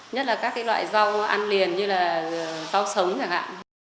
nhất là các loại rau ăn liền như là rau sống chẳng hạn